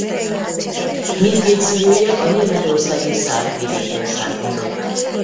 Mindkét szülője a németországi Saar-vidékről származott.